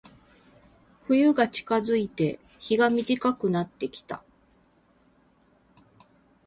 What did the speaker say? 冬が近づいて、日が短くなってきた。